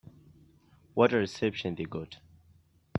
What a reception they got.